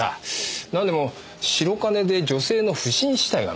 なんでも白金で女性の不審死体が見つかったとか。